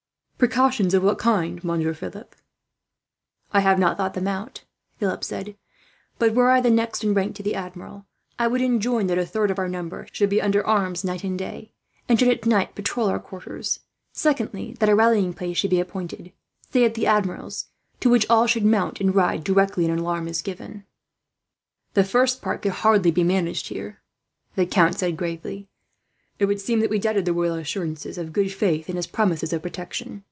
"Precautions of what kind, Monsieur Philip?" "I have not thought them out," Philip said; "but, were I the next in rank to the Admiral, I would enjoin that a third of our number should be under arms, night and day, and should at night patrol our quarters; secondly, that a rallying place should be appointed, say at the Admiral's, to which all should mount and ride, directly an alarm is given." "The first part could hardly be managed, here," the count said gravely. "It would seem that we doubted the royal assurances of good faith, and his promises of protection.